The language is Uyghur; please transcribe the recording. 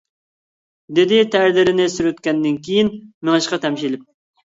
دېدى تەرلىرىنى سۈرتكەندىن كېيىن مېڭىشقا تەمشىلىپ.